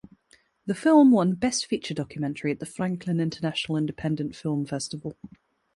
The film won Best Feature Documentary at the Franklin International Independent Film Festival.